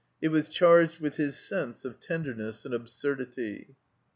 It was charged with his sense of tenderness and absurdity.